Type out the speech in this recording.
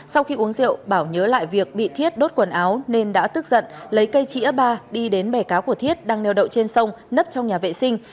sau khi uống rượu bảo nhớ lại việc bị thiết đốt quần áo nên đã tức giận lấy cây chĩa ba đi đến bẻ cá của thiết đang neo đậu trên sông nấp trong nhà vệ sinh